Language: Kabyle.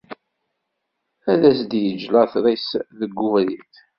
Ad as-d-yeǧǧ laṭer-is deg ubrid.